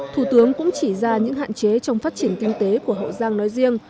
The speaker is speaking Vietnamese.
thủ tướng cũng chỉ ra những hạn chế trong phát triển kinh tế của hậu giang nói riêng